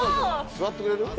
座ってくれる？